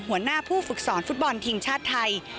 หัวหน้าผู้ฝึกสอนฟุตบอลทีมชาติไทย